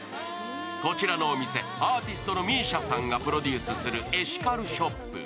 こちらのお店、アーティストのＭＩＳＩＡさんがプロデュースするエシカルショップ。